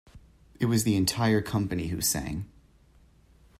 It was the entire company who sang.